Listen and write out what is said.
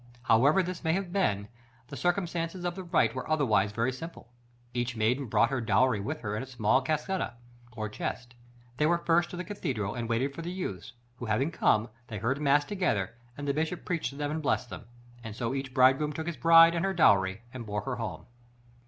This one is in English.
" However this may have been, the circumstances of the rite were otherwise very simple. Each maiden brought her dowry with her in a small "cassetta," or chest; they went first to the cathedral, and waited for the youths, who having come, they heard mass together, and the bishop preached to them and blessed them: and so each bridegroom took his bride and her dowry and bore her home.